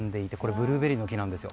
ブルーベリーの木なんですよ。